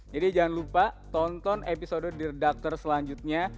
jadi jangan lupa tonton episode dear doctor selanjutnya